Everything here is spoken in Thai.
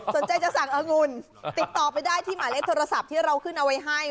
สนใจจะสั่งเอองุ่นติดต่อไปได้ที่หมายเลขโทรศัพท์ที่เราขึ้นเอาไว้ให้